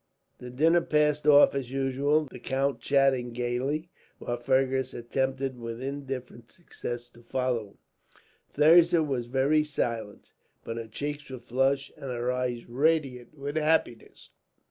The dinner passed off as usual, the count chatting gaily; while Fergus attempted, with indifferent success, to follow him. Thirza was very silent, but her cheeks were flushed, and her eyes radiant with happiness.